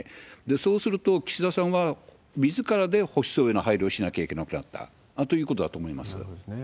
そうすると、岸田さんはみずからで保守層への配慮をしなきゃいけなくなったとなるほどですね。